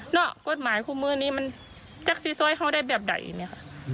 เนอะกฎหมายคู่มือนี้มันจักซีซ้อยเข้าได้แบบไหนเนี่ยค่ะ